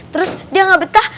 terus dia gak betah